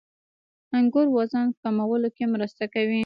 • انګور وزن کمولو کې مرسته کوي.